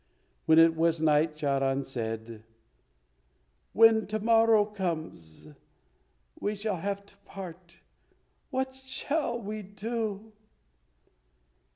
When it was night Charan said, "When to morrow comes we shall have to part. What shall we do?"